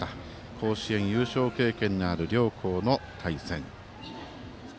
甲子園優勝経験がある両校の対戦。